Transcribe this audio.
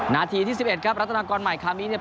นาทีที่๑๑ครับรัฐนากรใหม่คามิเนี่ย